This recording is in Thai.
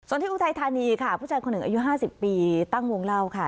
ส่วนที่อุทัยธานีค่ะผู้ชายคนหนึ่งอายุ๕๐ปีตั้งวงเล่าค่ะ